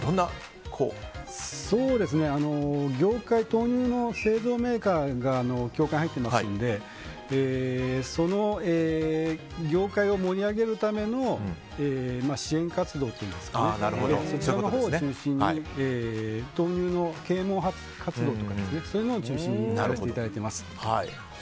豆乳の製造メーカーが協会に入っていますのでその業界を盛り上げるための支援活動というんですかそちらのほうを中心に豆乳の啓もう活動とかそういうのを中心にやらせていただいています。